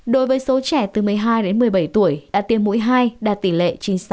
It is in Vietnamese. đối với số trẻ từ một mươi hai đến một mươi bảy tuổi đã tiêm mũi hai đạt tỷ lệ chín mươi sáu